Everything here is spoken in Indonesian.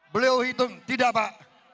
beliau hitung tidak pak